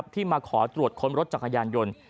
ที่มาขอตรวจค้นรถจักรยานยนต์